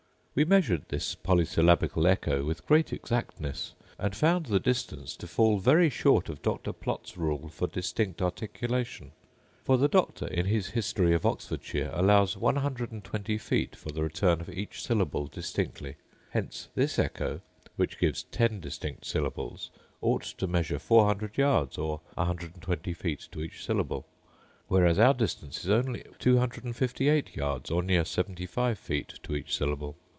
We measured this polysyllabical echo with great exactness, and found the distance to fall very short of Dr. Plot's rule for distinct articulation: for the Doctor, in his history of Oxfordshire, allows 120 feet for the return of each syllable distinctly: hence this echo, which gives ten distinct syllables, ought to measure 400 yards, or 120 feet to each syllable; whereas our distance is only 258 yards, or near 75 feet, to each syllable.